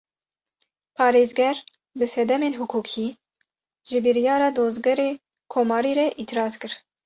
Parêzger, bi sedemên hiqûqî, ji biryara Dozgerê Komarî re îtiraz kir